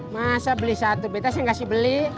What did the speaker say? masa beli satu beta saya kasih beli